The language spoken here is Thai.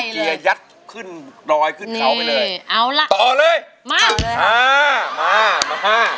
เกียร์ยัดขึ้นดอยขึ้นเขาไปเลยเอาล่ะต่อเลยมาเลยอ่ามามาฮ่า